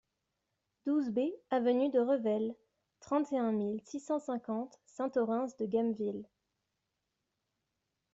douze B aVENUE DE REVEL, trente et un mille six cent cinquante Saint-Orens-de-Gameville